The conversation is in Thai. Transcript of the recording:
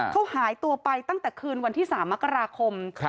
เขาหายตัวไปตั้งแต่คืนวันที่๓มกราคม